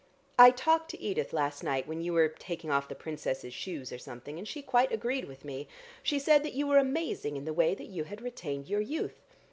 I talked to Edith last night, when you were taking off the Princess's shoes or something, and she quite agreed with me. She said that you were amazing in the way that you had retained your youth.